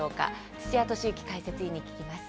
土屋敏之解説委員に聞きます。